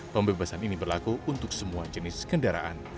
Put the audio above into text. pembebasan ini berlaku untuk semua jenis kendaraan